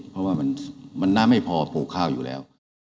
เพราะว่ามันน้ำไม่พอปลูกข้าวอยู่แล้ว